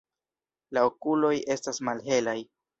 La okuloj estas malhelaj.